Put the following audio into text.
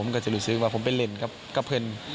ก็สึกว่าผมเป็นลิทการ